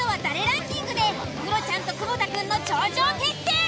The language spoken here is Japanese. ランキングでクロちゃんと久保田くんの頂上決戦！